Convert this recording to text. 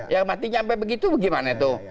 ya matinya sampai begitu gimana tuh